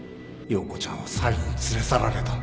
葉子ちゃんはサイに連れ去られた